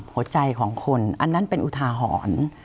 หัวใจของคนอันนั้นเป็นอุทาหรณ์